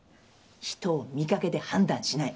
人を見かけで判断しない